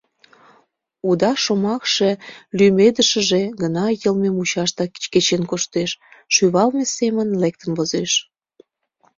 Уда шомакше, лӱмедышыже гына йылме мучаштак кечен коштеш, шӱвалме семын лектын возеш...